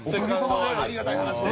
ありがたい話で。